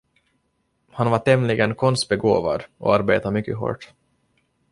Han var tämligen konstbegåvad och arbetade mycket hårt.